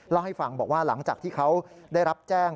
เล่าให้ฟังบอกว่าหลังจากที่เขาได้รับแจ้ง